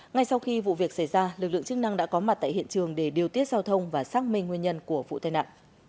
ngay sau khi vụ việc xảy ra lực lượng chức năng đã có mặt tại hiện trường để điều tiết giao thông và xác minh nguyên nhân của vụ tai nạn